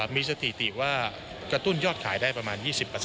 มีสถิติว่ากระตุ้นยอดขายได้ประมาณ๒๐